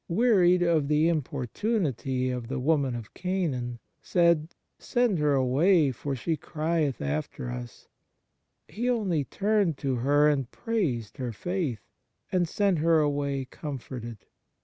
wearied of the importunity of the woman of Canaan, said, " Send her away, for she crieth after us," He only turned to her and praised her faith, and sent her away com forted.